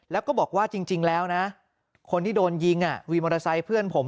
แล้วก็บอกว่าจริงแล้วนะคนที่โดนยิงวีมอเตอร์ไซค์เพื่อนผม